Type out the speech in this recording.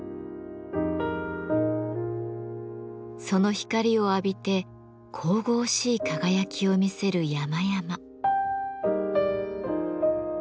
その光を浴びて神々しい輝きを見せる山々。